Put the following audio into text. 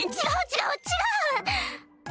違う違う！